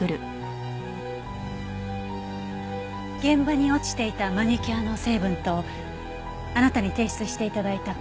現場に落ちていたマニキュアの成分とあなたに提出して頂いた